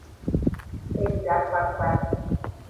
Eda kpakpa.